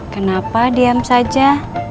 kenapa diam saja